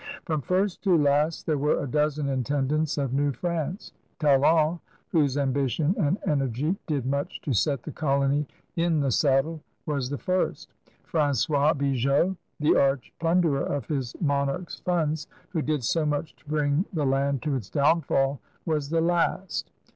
From first to last there were a dozen intendants of New France. Talon, whose ambition and energy did much to set the colony in the saddle, was the first. Francois Bigot, the arch plunderer of his monarch's funds, who did so much to bring the land to its downfall, was the last.